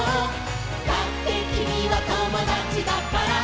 「だってきみはともだちだから」